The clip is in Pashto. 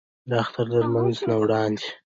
د اختر د لمونځ نه وړاندې